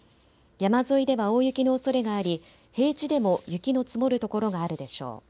山沿いでは大雪のおそれがあり平地でも雪の積もる所があるでしょう。